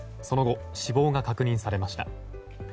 その後、死亡が確認されました。